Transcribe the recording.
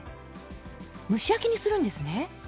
蒸し焼きにするんですね。